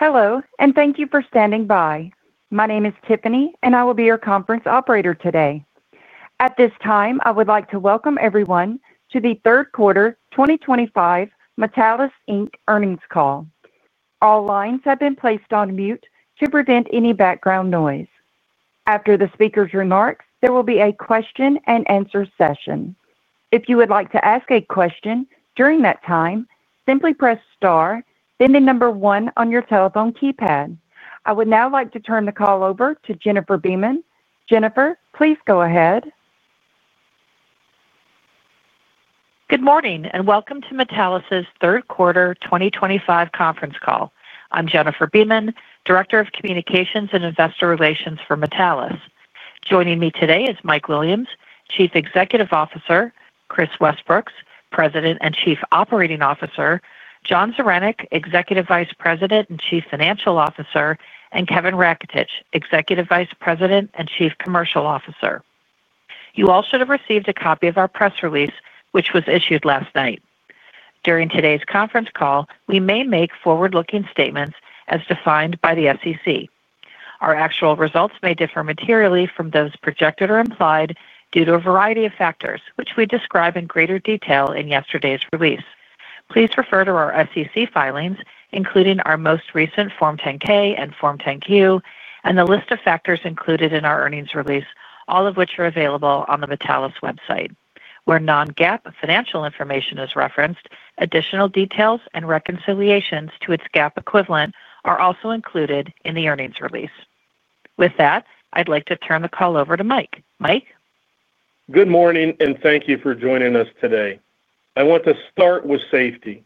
Hello, and thank you for standing by. My name is Tiffany, and I will be your conference operator today. At this time, I would like to welcome everyone to the Third Quarter 2025 Metallus Inc Earnings call. All lines have been placed on mute to prevent any background noise. After the speaker's remarks, there will be a question-and-answer session. If you would like to ask a question during that time, simply press star, then the number one on your telephone keypad. I would now like to turn the call over to Jennifer Beeman. Jennifer, please go ahead. Good morning, and welcome to Metallus's Third Quarter 2025 Conference Call. I'm Jennifer Beeman, Director of Communications and Investor Relations for Metallus. Joining me today is Mike Williams, Chief Executive Officer; Kris Westbrooks, President and Chief Operating Officer; John Zaranec, Executive Vice President and Chief Financial Officer; and Kevin Raketich, Executive Vice President and Chief Commercial Officer. You all should have received a copy of our press release, which was issued last night. During today's conference call, we may make forward-looking statements as defined by the SEC. Our actual results may differ materially from those projected or implied due to a variety of factors, which we describe in greater detail in yesterday's release. Please refer to our SEC filings, including our most recent Form 10-K and Form 10-Q, and the list of factors included in our earnings release, all of which are available on the Metallus website. Where non-GAAP financial information is referenced, additional details and reconciliations to its GAAP equivalent are also included in the earnings release. With that, I'd like to turn the call over to Mike. Mike. Good morning, and thank you for joining us today. I want to start with safety.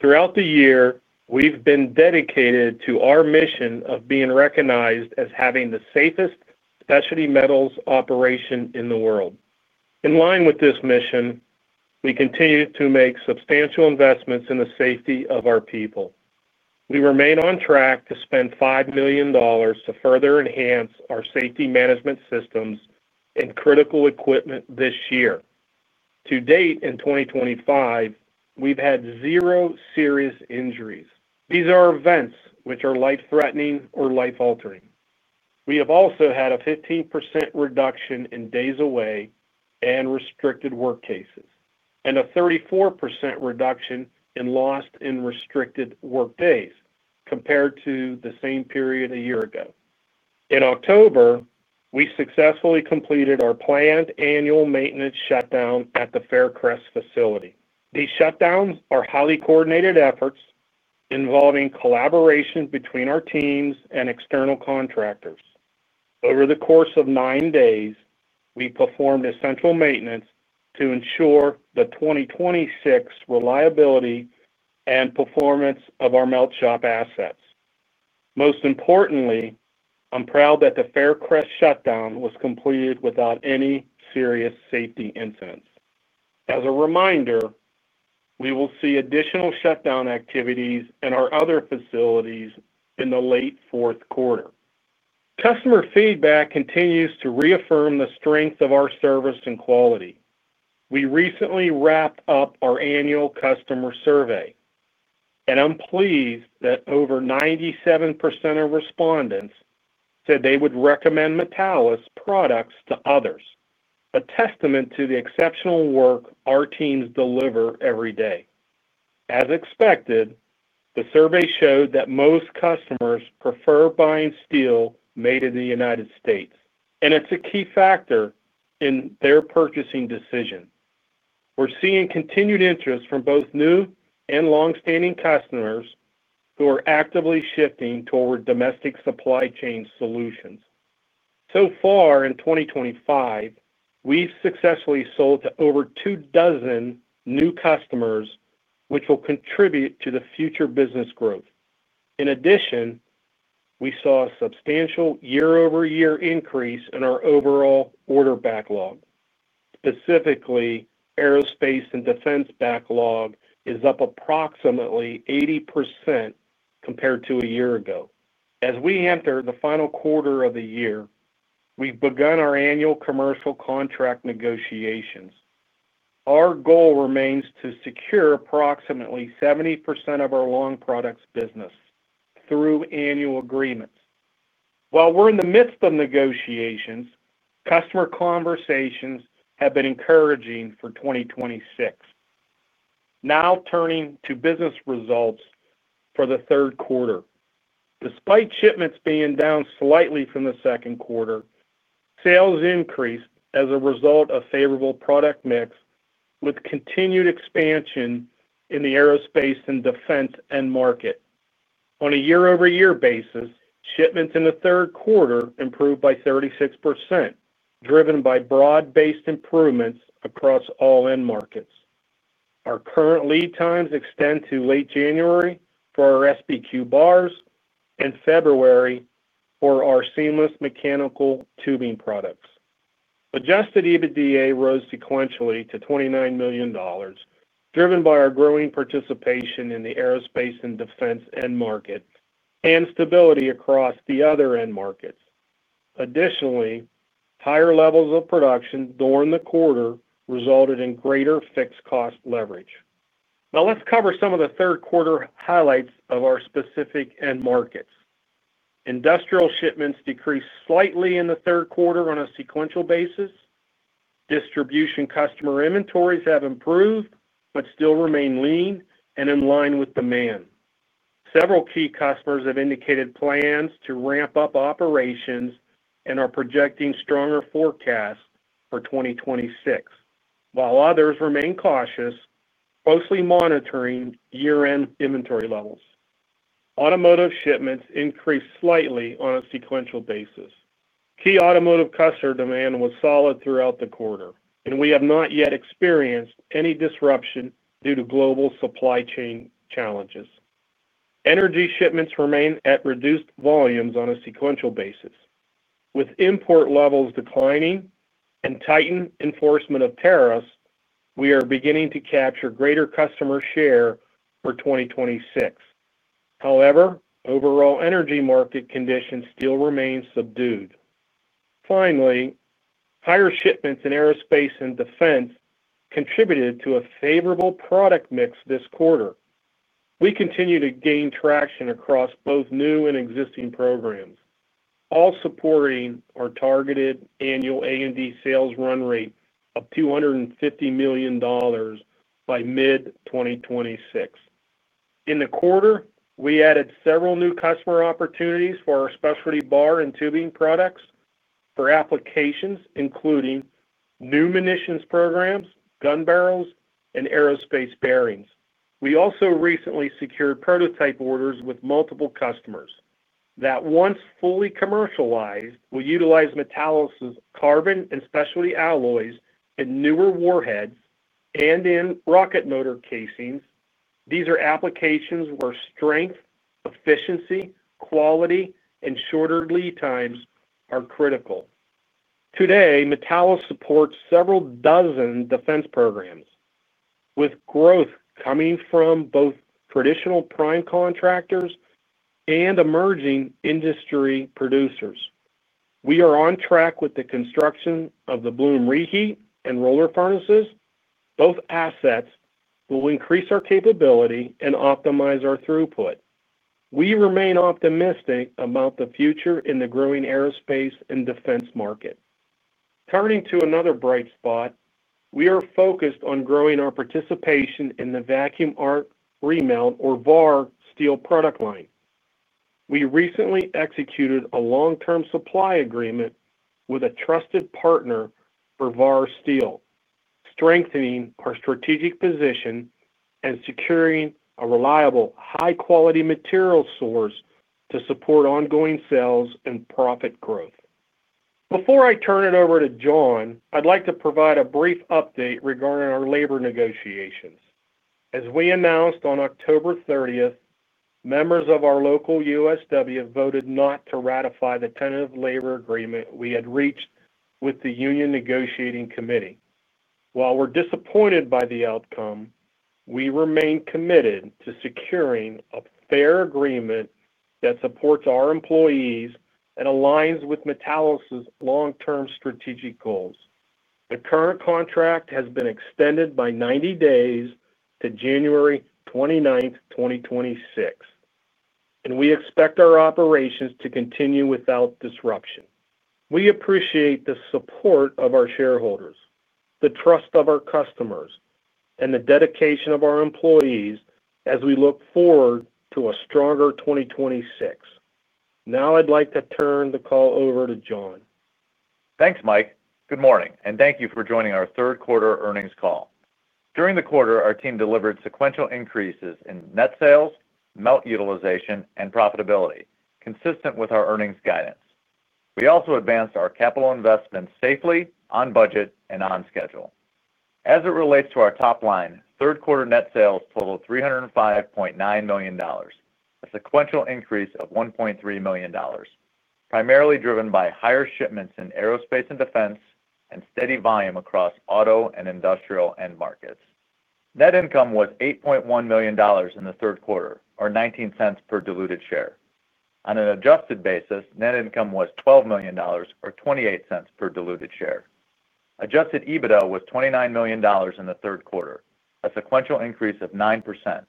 Throughout the year, we've been dedicated to our mission of being recognized as having the safest specialty metals operation in the world. In line with this mission, we continue to make substantial investments in the safety of our people. We remain on track to spend $5 million to further enhance our safety management systems and critical equipment this year. To date, in 2025, we've had zero serious injuries. These are events which are life-threatening or life-altering. We have also had a 15% reduction in days away and restricted work cases, and a 34% reduction in lost and restricted work days compared to the same period a year ago. In October, we successfully completed our planned annual maintenance shutdown at the Faircrest facility. These shutdowns are highly coordinated efforts involving collaboration between our teams and external contractors. Over the course of nine days, we performed essential maintenance to ensure the 2026 reliability and performance of our melt shop assets. Most importantly, I'm proud that the Faircrest shutdown was completed without any serious safety incidents. As a reminder, we will see additional shutdown activities in our other facilities in the late fourth quarter. Customer feedback continues to reaffirm the strength of our service and quality. We recently wrapped up our annual customer survey, and I'm pleased that over 97% of respondents said they would recommend Metallus products to others, a testament to the exceptional work our teams deliver every day. As expected, the survey showed that most customers prefer buying steel made in the United States, and it's a key factor in their purchasing decision. We're seeing continued interest from both new and long-standing customers who are actively shifting toward domestic supply chain solutions. So far in 2025, we've successfully sold to over two dozen new customers, which will contribute to the future business growth. In addition, we saw a substantial year-over-year increase in our overall order backlog. Specifically, aerospace and defense backlog is up approximately 80% compared to a year ago. As we enter the final quarter of the year, we've begun our annual commercial contract negotiations. Our goal remains to secure approximately 70% of our long products business through annual agreements. While we're in the midst of negotiations, customer conversations have been encouraging for 2026. Now turning to business results for the third quarter. Despite shipments being down slightly from the second quarter, sales increased as a result of favorable product mix with continued expansion in the aerospace and defense end market. On a year-over-year basis, shipments in the third quarter improved by 36%, driven by broad-based improvements across all end markets. Our current lead times extend to late January for our SBQ bars and February for our seamless mechanical tubing products. Adjusted EBITDA rose sequentially to $29 million, driven by our growing participation in the aerospace and defense end market and stability across the other end markets. Additionally, higher levels of production during the quarter resulted in greater fixed cost leverage. Now let's cover some of the third quarter highlights of our specific end markets. Industrial shipments decreased slightly in the third quarter on a sequential basis. Distribution customer inventories have improved but still remain lean and in line with demand. Several key customers have indicated plans to ramp up operations and are projecting stronger forecasts for 2026, while others remain cautious, closely monitoring year-end inventory levels. Automotive shipments increased slightly on a sequential basis. Key automotive customer demand was solid throughout the quarter, and we have not yet experienced any disruption due to global supply chain challenges. Energy shipments remain at reduced volumes on a sequential basis. With import levels declining and tightened enforcement of tariffs, we are beginning to capture greater customer share for 2026. However, overall energy market conditions still remain subdued. Finally, higher shipments in aerospace and defense contributed to a favorable product mix this quarter. We continue to gain traction across both new and existing programs, all supporting our targeted annual A&D sales run rate of $250 million by mid-2026. In the quarter, we added several new customer opportunities for our specialty bar and tubing products for applications, including new munitions programs, gun barrels, and aerospace bearings. We also recently secured prototype orders with multiple customers. That once fully commercialized, we'll utilize Metallus's carbon and specialty alloys in newer warheads and in rocket motor casings. These are applications where strength, efficiency, quality, and shorter lead times are critical. Today, Metallus supports several dozen defense programs, with growth coming from both traditional prime contractors and emerging industry producers. We are on track with the construction of the Blum Reheat and roller furnaces. Both assets will increase our capability and optimize our throughput. We remain optimistic about the future in the growing aerospace and defense market. Turning to another bright spot, we are focused on growing our participation in the vacuum arc remelt or VAR steel product line. We recently executed a long-term supply agreement with a trusted partner for VAR steel, strengthening our strategic position and securing a reliable, high-quality material source to support ongoing sales and profit growth. Before I turn it over to John, I'd like to provide a brief update regarding our labor negotiations. As we announced on October 30, members of our local USW voted not to ratify the tentative labor agreement we had reached with the union negotiating committee. While we're disappointed by the outcome, we remain committed to securing a fair agreement that supports our employees and aligns with Metallus's long-term strategic goals. The current contract has been extended by 90 days to January 29, 2026, and we expect our operations to continue without disruption. We appreciate the support of our shareholders, the trust of our customers, and the dedication of our employees as we look forward to a stronger 2026. Now I'd like to turn the call over to John. Thanks, Mike. Good morning, and thank you for joining our Third Quarter Earnings Call. During the quarter, our team delivered sequential increases in net sales, melt utilization, and profitability, consistent with our earnings guidance. We also advanced our capital investments safely, on budget, and on schedule. As it relates to our top line, third quarter net sales totaled $305.9 million, a sequential increase of $1.3 million, primarily driven by higher shipments in aerospace and defense and steady volume across auto and industrial end markets. Net income was $8.1 million in the third quarter, or $0.19 per diluted share. On an adjusted basis, net income was $12 million, or $0.28 per diluted share. Adjusted EBITDA was $29 million in the third quarter, a sequential increase of 9%,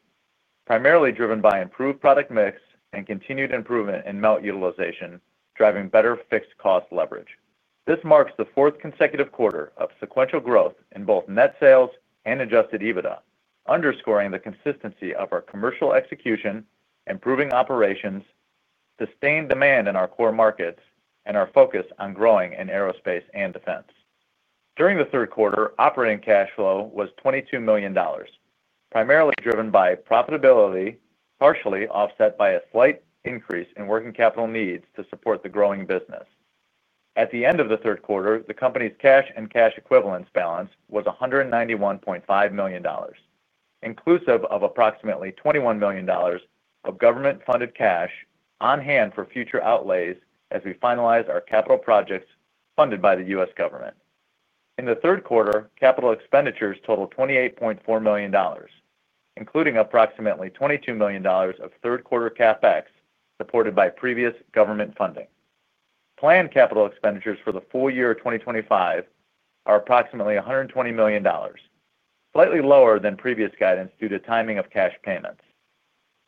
primarily driven by improved product mix and continued improvement in melt utilization, driving better fixed cost leverage. This marks the fourth consecutive quarter of sequential growth in both net sales and adjusted EBITDA, underscoring the consistency of our commercial execution, improving operations, sustained demand in our core markets, and our focus on growing in aerospace and defense. During the third quarter, operating cash flow was $22 million, primarily driven by profitability, partially offset by a slight increase in working capital needs to support the growing business. At the end of the third quarter, the company's cash and cash equivalents balance was $191.5 million, inclusive of approximately $21 million of government-funded cash on hand for future outlays as we finalize our capital projects funded by the U.S. government. In the third quarter, capital expenditures totaled $28.4 million, including approximately $22 million of third quarter CapEx supported by previous government funding. Planned capital expenditures for the full year of 2025 are approximately $120 million, slightly lower than previous guidance due to timing of cash payments.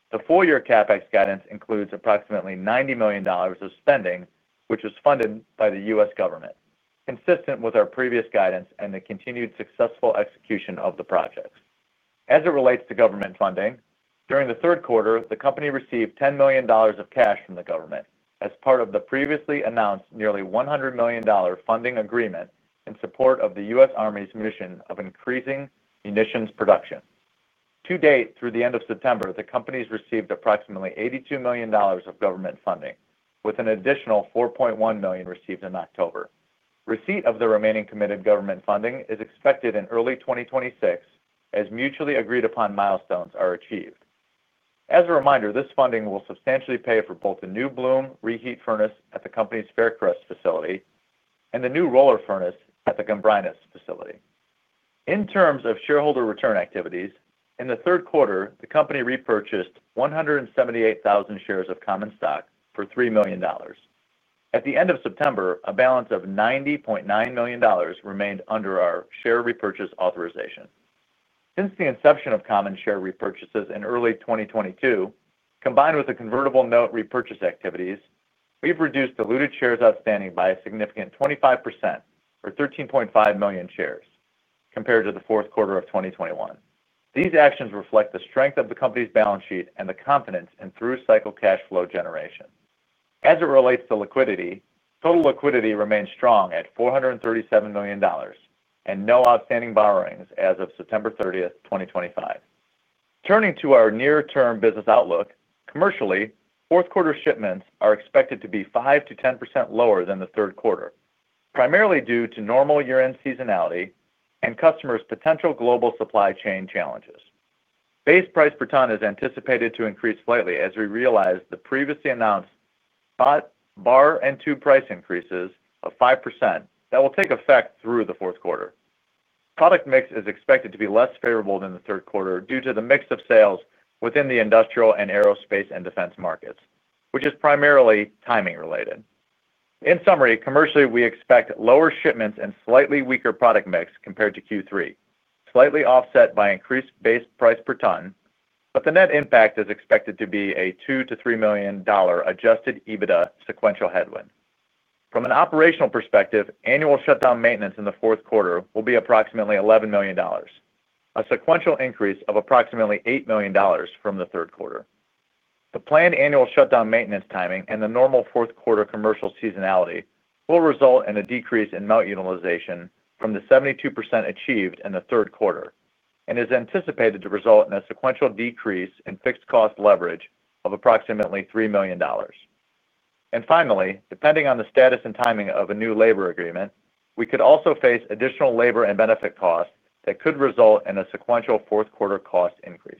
The full year CapEx guidance includes approximately $90 million of spending, which was funded by the U.S. government, consistent with our previous guidance and the continued successful execution of the projects. As it relates to government funding, during the third quarter, the company received $10 million of cash from the government as part of the previously announced nearly $100 million funding agreement in support of the U.S. Army's mission of increasing munitions production. To date, through the end of September, the company has received approximately $82 million of government funding, with an additional $4.1 million received in October. Receipt of the remaining committed government funding is expected in early 2026 as mutually agreed-upon milestones are achieved. As a reminder, this funding will substantially pay for both the new Blum Reheat furnace at the company's Faircrest facility and the new roller furnace at the Gombrionis facility. In terms of shareholder return activities, in the third quarter, the company repurchased 178,000 shares of common stock for $3 million. At the end of September, a balance of $90.9 million remained under our share repurchase authorization. Since the inception of common share repurchases in early 2022, combined with the convertible note repurchase activities, we've reduced diluted shares outstanding by a significant 25%, or 13.5 million shares, compared to the fourth quarter of 2021. These actions reflect the strength of the company's balance sheet and the confidence in through cycle cash flow generation. As it relates to liquidity, total liquidity remains strong at $437 million and no outstanding borrowings as of September 30, 2025. Turning to our near-term business outlook, commercially, fourth quarter shipments are expected to be 5%-10% lower than the third quarter, primarily due to normal year-end seasonality and customers' potential global supply chain challenges. Base price per ton is anticipated to increase slightly as we realize the previously announced bar and tube price increases of 5% that will take effect through the fourth quarter. Product mix is expected to be less favorable than the third quarter due to the mix of sales within the industrial and aerospace and defense markets, which is primarily timing related. In summary, commercially, we expect lower shipments and slightly weaker product mix compared to Q3, slightly offset by increased base price per ton, but the net impact is expected to be a $2 million-$3 million adjusted EBITDA sequential headwind. From an operational perspective, annual shutdown maintenance in the fourth quarter will be approximately $11 million, a sequential increase of approximately $8 million from the third quarter. The planned annual shutdown maintenance timing and the normal fourth quarter commercial seasonality will result in a decrease in melt utilization from the 72% achieved in the third quarter and is anticipated to result in a sequential decrease in fixed cost leverage of approximately $3 million. Finally, depending on the status and timing of a new labor agreement, we could also face additional labor and benefit costs that could result in a sequential fourth quarter cost increase.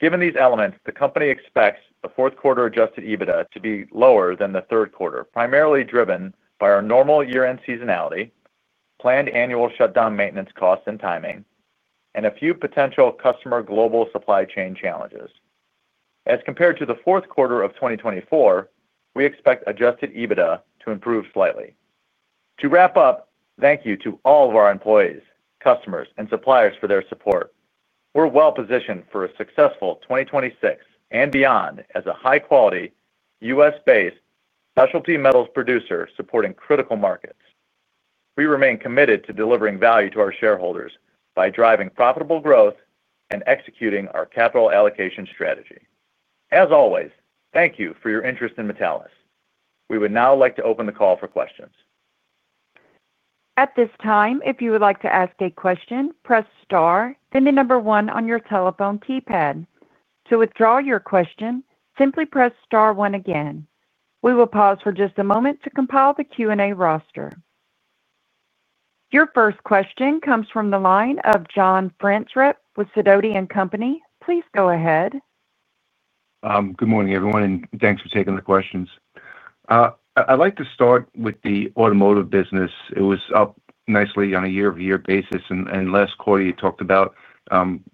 Given these elements, the company expects the fourth quarter adjusted EBITDA to be lower than the third quarter, primarily driven by our normal year-end seasonality, planned annual shutdown maintenance costs and timing, and a few potential customer global supply chain challenges. As compared to the fourth quarter of 2024, we expect adjusted EBITDA to improve slightly. To wrap up, thank you to all of our employees, customers, and suppliers for their support. We're well positioned for a successful 2026 and beyond as a high-quality, U.S.-based specialty metals producer supporting critical markets. We remain committed to delivering value to our shareholders by driving profitable growth and executing our capital allocation strategy. As always, thank you for your interest in Metallus. We would now like to open the call for questions. At this time, if you would like to ask a question, press star, then the number one on your telephone keypad. To withdraw your question, simply press star one again. We will pause for just a moment to compile the Q&A roster. Your first question comes from the line of John Franzreb with Sidoti & Company. Please go ahead. Good morning, everyone, and thanks for taking the questions. I'd like to start with the automotive business. It was up nicely on a year-over-year basis, and last quarter, you talked about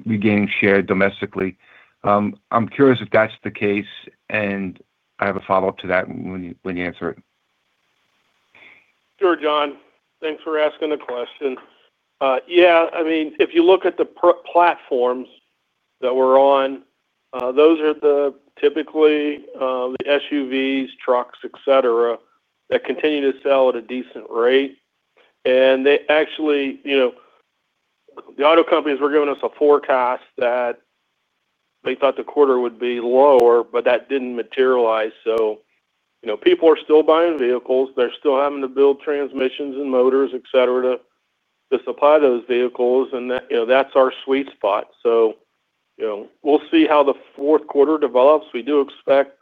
regaining share domestically. I'm curious if that's the case, and I have a follow-up to that when you answer it. Sure, John. Thanks for asking the question. Yeah, I mean, if you look at the platforms that we're on, those are typically the SUVs, trucks, etc., that continue to sell at a decent rate. And they actually, you know, the auto companies were giving us a forecast that they thought the quarter would be lower, but that didn't materialize. So people are still buying vehicles. They're still having to build transmissions and motors, etc., to supply those vehicles, and that's our sweet spot. So we'll see how the fourth quarter develops. We do expect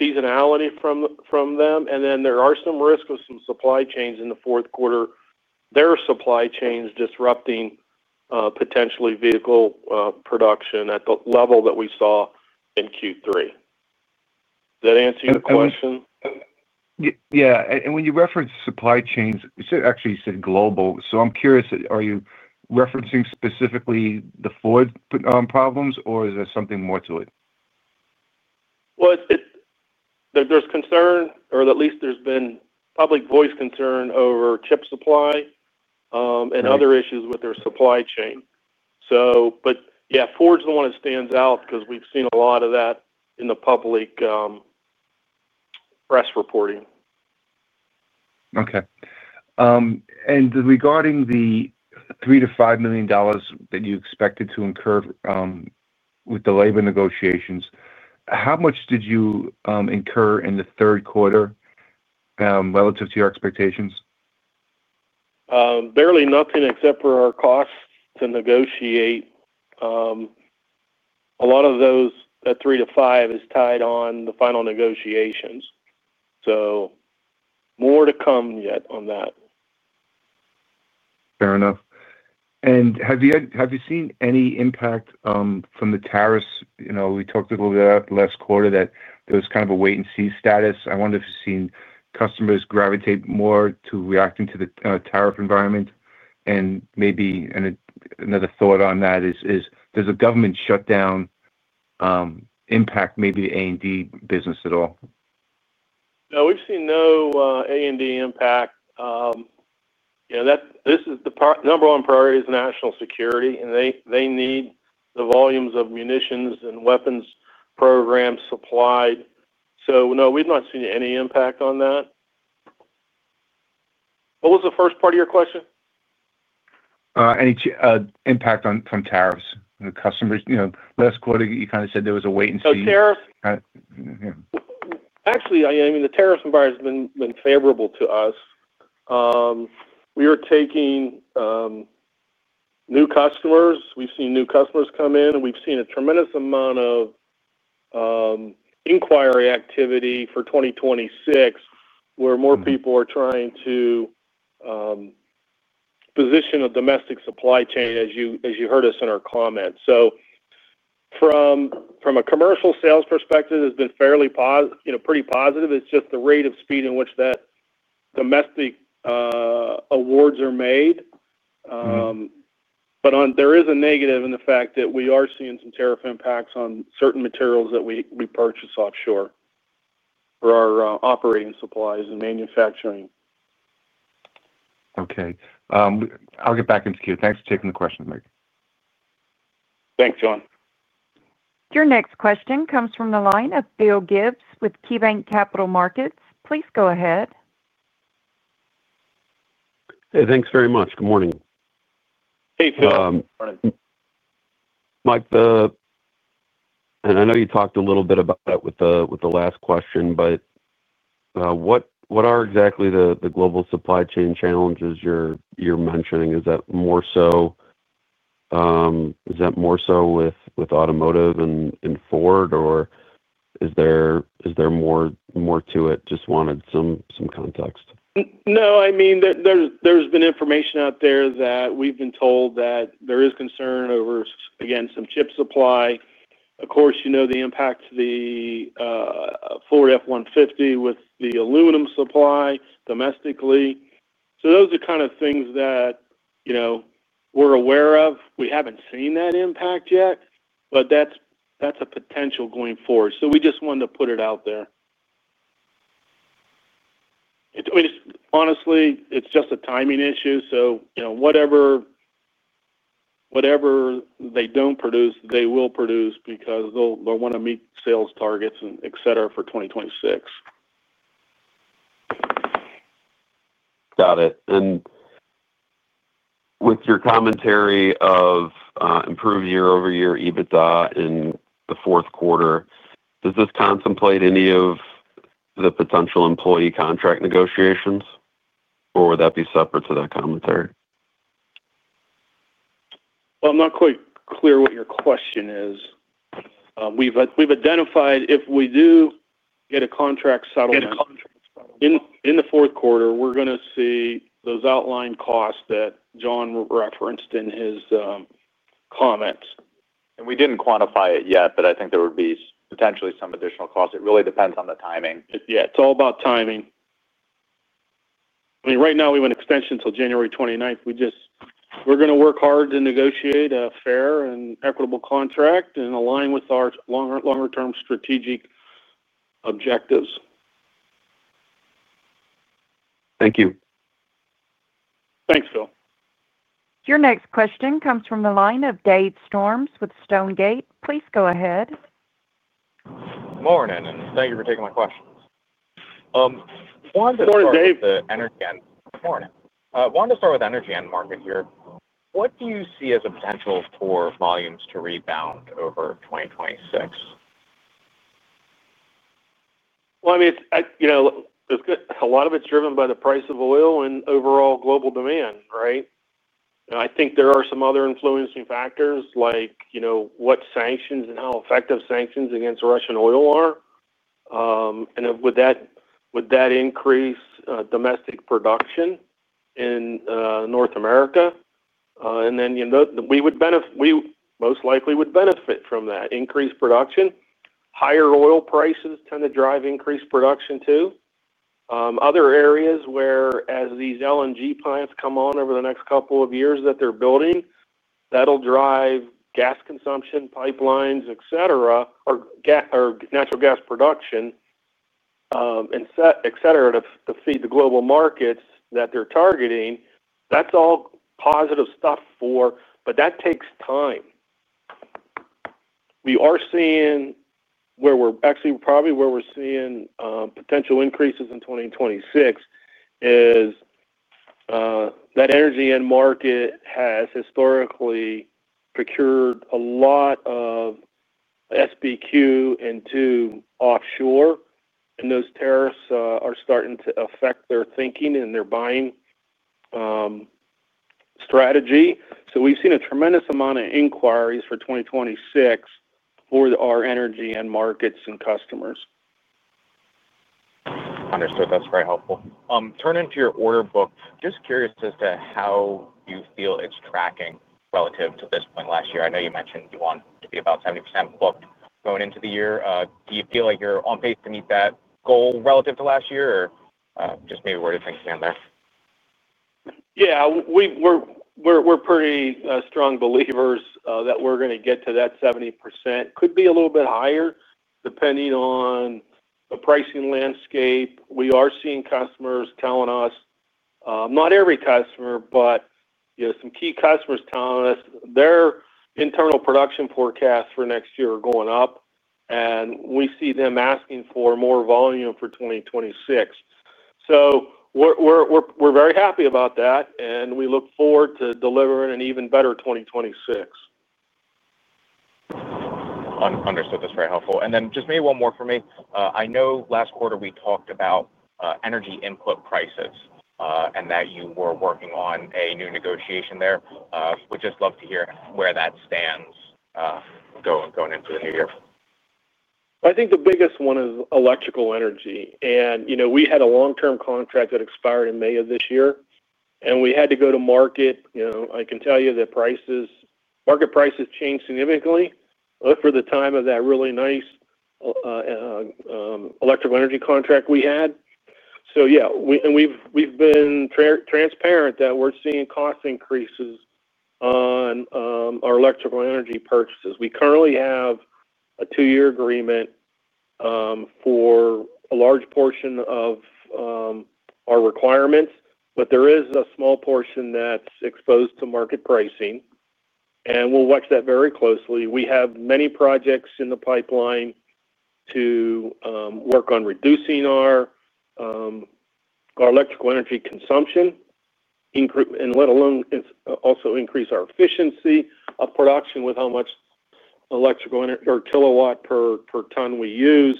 seasonality from them. And then there are some risks of some supply chains in the fourth quarter, their supply chains disrupting potentially vehicle production at the level that we saw in Q3. Does that answer your question? Yeah. When you reference supply chains, you said actually you said global. I'm curious, are you referencing specifically the Ford problems, or is there something more to it? There is concern, or at least there has been public voice concern over chip supply and other issues with their supply chain. Yeah, Ford is the one that stands out because we have seen a lot of that in the public press reporting. Okay. Regarding the $3 million-$5 million that you expected to incur with the labor negotiations, how much did you incur in the third quarter relative to your expectations? Barely nothing except for our costs to negotiate. A lot of those at three to five is tied on the final negotiations. So more to come yet on that. Fair enough. Have you seen any impact from the tariffs? We talked a little bit about last quarter that there was kind of a wait-and-see status. I wonder if you've seen customers gravitate more to reacting to the tariff environment. Maybe another thought on that is, does the government shutdown impact maybe the A&D business at all? No, we've seen no A&D impact. This is the number one priority is national security, and they need the volumes of munitions and weapons programs supplied. So no, we've not seen any impact on that. What was the first part of your question? Any impact from tariffs on the customers? Last quarter, you kind of said there was a wait-and-see. So tariffs. Yeah. Actually, I mean, the tariffs environment has been favorable to us. We are taking new customers. We've seen new customers come in, and we've seen a tremendous amount of inquiry activity for 2026, where more people are trying to position a domestic supply chain, as you heard us in our comments. From a commercial sales perspective, it's been fairly pretty positive. It's just the rate of speed in which that domestic awards are made. There is a negative in the fact that we are seeing some tariff impacts on certain materials that we purchase offshore for our operating supplies and manufacturing. Okay. I'll get back into queue. Thanks for taking the question, Mike. Thanks, John. Your next question comes from the line of Phil Gibbs with KeyBanc Capital Markets. Please go ahead. Hey, thanks very much. Good morning. Hey, Phil. Good morning. Mike, and I know you talked a little bit about it with the last question, but what are exactly the global supply chain challenges you're mentioning? Is that more so with automotive and Ford, or is there more to it? Just wanted some context. No, I mean, there's been information out there that we've been told that there is concern over, again, some chip supply. Of course, you know the impact to the Ford F-150 with the aluminum supply domestically. Those are kind of things that we're aware of. We haven't seen that impact yet, but that's a potential going forward. We just wanted to put it out there. Honestly, it's just a timing issue. Whatever they don't produce, they will produce because they'll want to meet sales targets, etc., for 2026. Got it. With your commentary of improved year-over-year EBITDA in the fourth quarter, does this contemplate any of the potential employee contract negotiations, or would that be separate to that commentary? I'm not quite clear what your question is. We've identified if we do get a contract settlement in the fourth quarter, we're going to see those outlined costs that John referenced in his comments. We did not quantify it yet, but I think there would be potentially some additional costs. It really depends on the timing. Yeah, it's all about timing. I mean, right now, we have an extension until January 29. We're going to work hard to negotiate a fair and equitable contract and align with our longer-term strategic objectives. Thank you. Thanks, Phil. Your next question comes from the line of Dave Storms with Stonegate. Please go ahead. Good morning, and thank you for taking my question. Morning, Dave. Good morning. Wanted to start with energy and market here. What do you see as a potential for volumes to rebound over 2026? I mean, a lot of it's driven by the price of oil and overall global demand, right? I think there are some other influencing factors like what sanctions and how effective sanctions against Russian oil are. Would that increase domestic production in North America? We most likely would benefit from that increased production. Higher oil prices tend to drive increased production too. Other areas where, as these LNG plants come on over the next couple of years that they're building, that'll drive gas consumption, pipelines, etc., or natural gas production, etc., to feed the global markets that they're targeting. That's all positive stuff for, but that takes time. We are seeing where we're actually probably where we're seeing potential increases in 2026 is that energy and market has historically procured a lot of SBQ into offshore, and those tariffs are starting to affect their thinking and their buying strategy. We have seen a tremendous amount of inquiries for 2026 for our energy and markets and customers. Understood. That's very helpful. Turning to your order book, just curious as to how you feel it's tracking relative to this point last year. I know you mentioned you want to be about 70% booked going into the year. Do you feel like you're on pace to meet that goal relative to last year, or just maybe we're just thinking in there? Yeah, we're pretty strong believers that we're going to get to that 70%. Could be a little bit higher depending on the pricing landscape. We are seeing customers telling us, not every customer, but some key customers telling us their internal production forecasts for next year are going up, and we see them asking for more volume for 2026. We are very happy about that, and we look forward to delivering an even better 2026. Understood. That's very helpful. Just maybe one more for me. I know last quarter we talked about energy input prices and that you were working on a new negotiation there. We'd just love to hear where that stands going into the new year. I think the biggest one is electrical energy. We had a long-term contract that expired in May of this year, and we had to go to market. I can tell you that market prices changed significantly for the time of that really nice electrical energy contract we had. Yeah, and we've been transparent that we're seeing cost increases on our electrical energy purchases. We currently have a two-year agreement for a large portion of our requirements, but there is a small portion that's exposed to market pricing, and we'll watch that very closely. We have many projects in the pipeline to work on reducing our electrical energy consumption, and let alone also increase our efficiency of production with how much electrical or kilowatt per ton we use.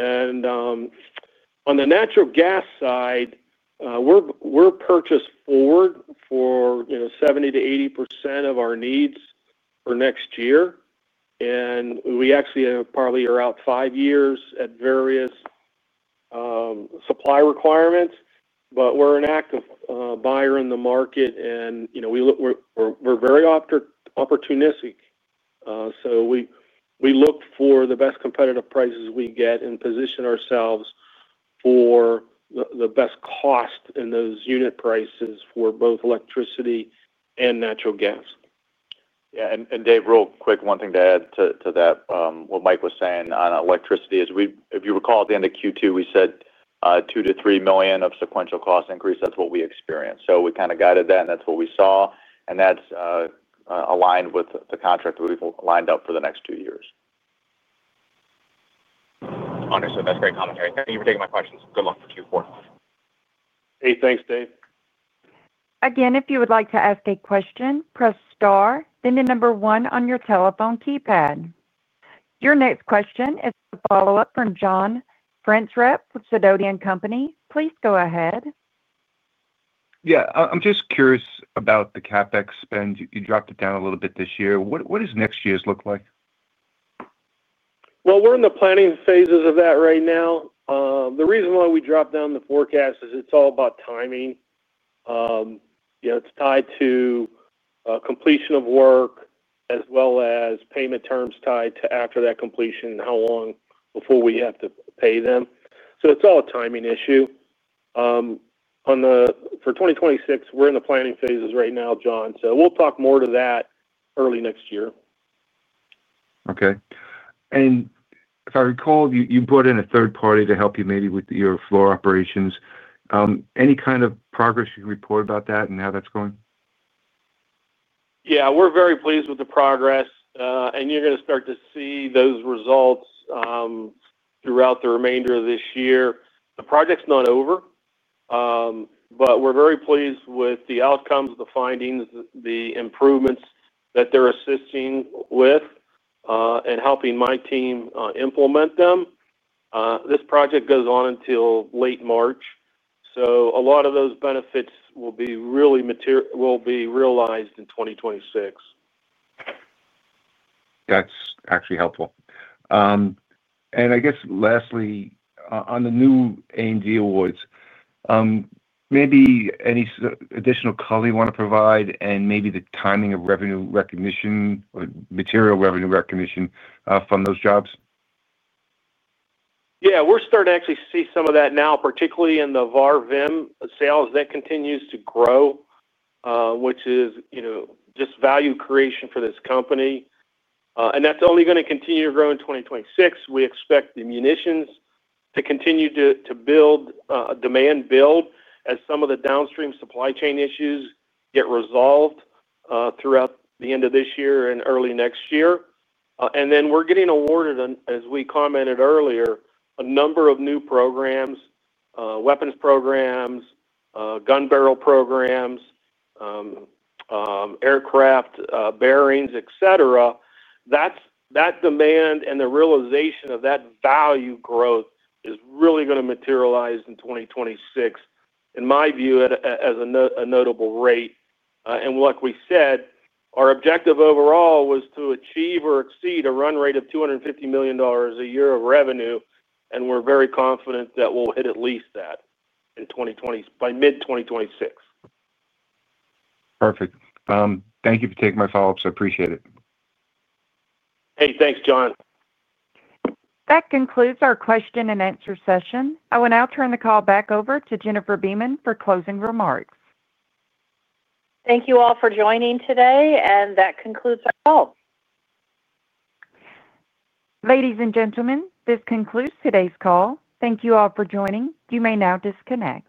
On the natural gas side, we're purchased forward for 70-80% of our needs for next year. We actually probably are out five years at various supply requirements, but we're an active buyer in the market, and we're very opportunistic. We look for the best competitive prices we get and position ourselves for the best cost in those unit prices for both electricity and natural gas. Yeah. Dave, real quick, one thing to add to that, what Mike was saying on electricity is, if you recall, at the end of Q2, we said $2 million-$3 million of sequential cost increase. That's what we experienced. We kind of guided that, and that's what we saw. That's aligned with the contract that we've lined up for the next two years. Understood. That's great commentary. Thank you for taking my questions. Good luck for Q4. Hey, thanks, Dave. Again, if you would like to ask a question, press star, then the number one on your telephone keypad. Your next question is a follow-up from John Franzreb for Sidoti & Company. Please go ahead. Yeah. I'm just curious about the CapEx spend. You dropped it down a little bit this year. What does next year's look like? We're in the planning phases of that right now. The reason why we dropped down the forecast is it's all about timing. It's tied to completion of work as well as payment terms tied to after that completion, how long before we have to pay them. It's all a timing issue. For 2026, we're in the planning phases right now, John. We'll talk more to that early next year. Okay. If I recall, you brought in a third party to help you maybe with your floor operations. Any kind of progress you can report about that and how that's going? Yeah. We're very pleased with the progress, and you're going to start to see those results throughout the remainder of this year. The project's not over, but we're very pleased with the outcomes, the findings, the improvements that they're assisting with and helping my team implement them. This project goes on until late March. A lot of those benefits will be realized in 2026. That's actually helpful. I guess lastly, on the new A&D awards, maybe any additional color you want to provide and maybe the timing of revenue recognition or material revenue recognition from those jobs? Yeah. We're starting to actually see some of that now, particularly in the VAR VIM sales. That continues to grow, which is just value creation for this company. That's only going to continue to grow in 2026. We expect the munitions to continue to demand build as some of the downstream supply chain issues get resolved throughout the end of this year and early next year. We're getting awarded, as we commented earlier, a number of new programs, weapons programs, gun barrel programs, aircraft bearings, etc. That demand and the realization of that value growth is really going to materialize in 2026, in my view, at a notable rate. Like we said, our objective overall was to achieve or exceed a run rate of $250 million a year of revenue, and we're very confident that we'll hit at least that by mid-2026. Perfect. Thank you for taking my follow-ups. I appreciate it. Hey, thanks, John. That concludes our question and answer session. I will now turn the call back over to Jennifer Beeman for closing remarks. Thank you all for joining today, and that concludes our call. Ladies and gentlemen, this concludes today's call. Thank you all for joining. You may now disconnect.